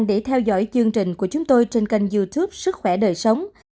cảm ơn quý vị đã theo dõi chương trình của chúng tôi trên kênh youtube sức khỏe đời sống